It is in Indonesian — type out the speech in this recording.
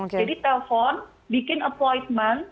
jadi telepon bikin appointment